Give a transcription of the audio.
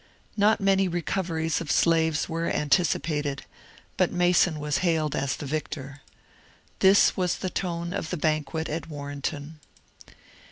Not many recoveries of slaves were anticipated, but Mason was hailed as the victor. This was the tone of the banquet at Warrenton.